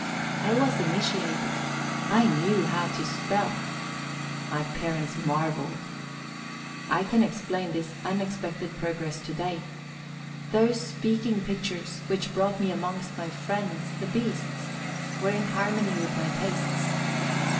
I was initiated; I knew how to spell. My parents marveled. I can explain this unexpected progress to day. Those speaking pictures, which brought me amongst my friends the beasts, were in harmony with my tastes.